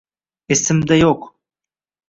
Esimda yo‘q.